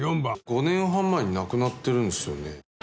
５年半前に亡くなってるんですよね。